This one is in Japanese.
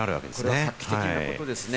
これは画期的なことですね。